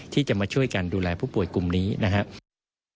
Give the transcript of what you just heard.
ที่จะมาช่วยกันดูแลผู้ป่วยกลุ่มนี้นะครับ